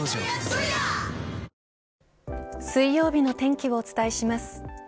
水曜日の天気をお伝えします。